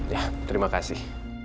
ya terima kasih